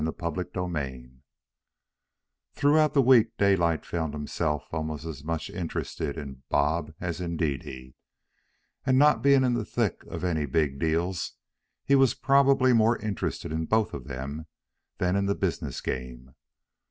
CHAPTER XII Throughout the week Daylight found himself almost as much interested in Bob as in Dede; and, not being in the thick of any big deals, he was probably more interested in both of them than in the business game.